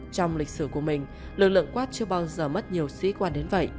trong lịch sử của mình lực lượng quds chưa bao giờ mất nhiều sĩ quản đến vậy